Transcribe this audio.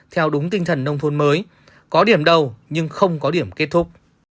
theo đúng tinh thần nông thôn mới có điểm đầu nhưng không có điểm kết thúc